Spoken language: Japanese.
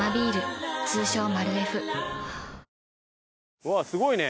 うわすごいね！